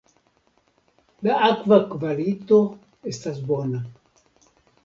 La akva kvalito estas bona.